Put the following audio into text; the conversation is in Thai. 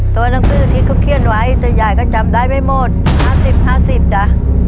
ตัวหนังสือที่เขาเขี้ยนไว้แต่ยายก็จำได้ไม่หมดห้าสิบห้าสิบจ้ะ